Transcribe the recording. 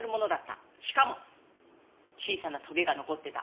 しかも小さなとげが残ってた。